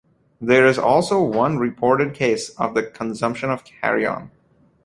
There is also one reported case of the consumption of carrion.